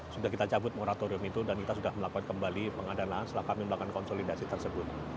sudah kita cabut moratorium itu dan kita sudah melakukan kembali pengadaan lahan setelah kami melakukan konsolidasi tersebut